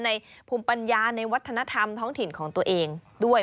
ในภูมิปัญญาในวัฒนธรรมท้องถิ่นของตัวเองด้วย